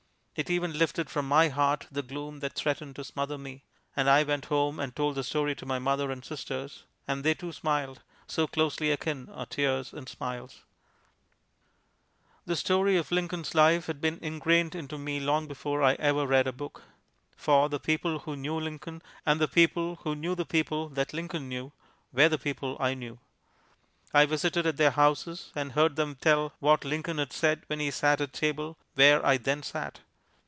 It even lifted from my heart the gloom that threatened to smother me, and I went home and told the story to my mother and sisters, and they too smiled, so closely akin are tears and smiles. The story of Lincoln's life had been ingrained into me long before I ever read a book. For the people who knew Lincoln, and the people who knew the people that Lincoln knew, were the people I knew. I visited at their houses and heard them tell what Lincoln had said when he sat at table where I then sat.